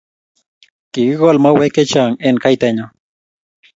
Kikikol mauek chechang' eng' kaitanyo